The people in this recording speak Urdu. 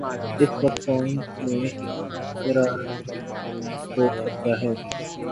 اس وقت کون میر کارواں ہو سکتا ہے؟